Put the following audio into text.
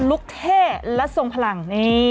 ลุกเท่และทรงพลัง